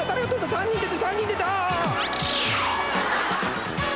３人出て３人出てあ！］